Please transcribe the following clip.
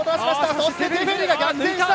そしてテフェリが逆転した！